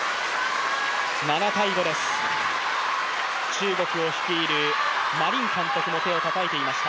中国を率いる監督も手をたたいていました。